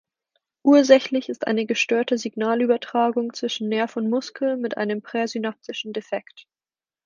Ursächlich ist eine gestörte Signalübertragung zwischen Nerv und Muskel mit einem präsynaptischen Defekt.